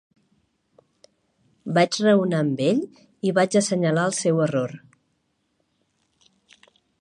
Vaig raonar amb ell i vaig assenyalar el seu error.